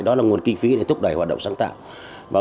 đó là nguồn kinh phí để thúc đẩy hoạt động sáng tạo